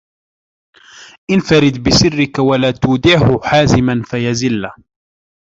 انْفَرِدْ بِسِرِّك وَلَا تُودِعْهُ حَازِمًا فَيَزِلَّ